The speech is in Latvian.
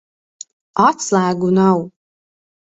Atslēgu nav.